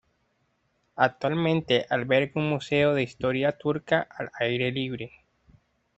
Actualmente alberga un museo de historia turca al aire libre.